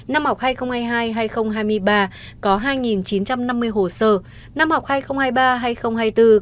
năm học hai nghìn hai mươi hai hai nghìn hai mươi ba có hai chín trăm năm mươi hồ sơ ảo trong đó chỉ tính riêng năm huyện ngoại thành